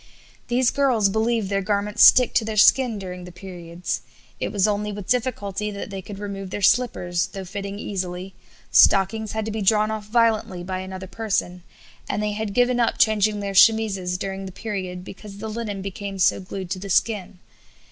These girls believe their garments stick to their skin during the periods; it was only with difficulty that they could remove their slippers, though fitting easily; stockings had to be drawn off violently by another person, and they had given up changing their chemises during the period because the linen became so glued to the skin.